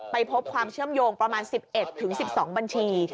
พบความเชื่อมโยงประมาณ๑๑๑๑๒บัญชี